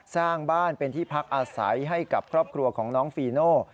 สร้างบ้านเป็นที่พักอาศัยให้กับครอบครัวของน้องฟีโน่